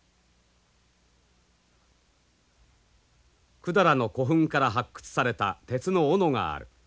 百済の古墳から発掘された鉄の斧がある。